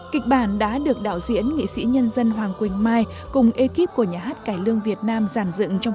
kịch bản đã được đạo diễn nghị sĩ nhân dân hoàng quỳnh mai cùng ekip của nhà hát cải lương việt nam giàn dựng trong